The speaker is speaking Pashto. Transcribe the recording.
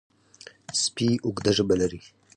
سپي اوږده ژبه لري.